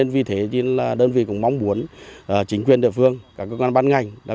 vì thế đơn vị cũng mong muốn chính quyền địa phương các cơ quan bán ngành